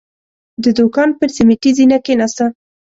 د دوکان پر سيميټي زينه کېناسته.